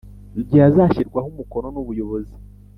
igihe azashyirwaho umukono n ubuyobozi